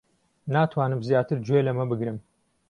ناتوانم زیاتر گوێ لەمە بگرم.